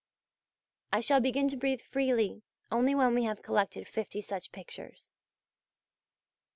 I shall begin to breathe freely only when we have collected fifty such pictures.